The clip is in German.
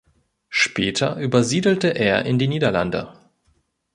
Später übersiedelte er in die Niederlande.